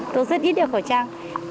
tôi rất ít đeo khẩu trang